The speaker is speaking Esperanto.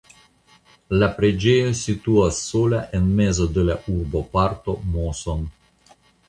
La preĝejo situas sola en mezo de la urboparto Moson.